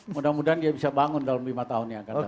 mudah mudahan dia bisa bangun dalam lima tahun yang akan datang